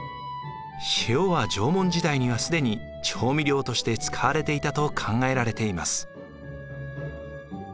塩は縄文時代には既に調味料として使われていたと考えられています。